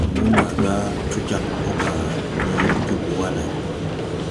Jon mo maga co jāg bɔ ga ne jòbō wa lay.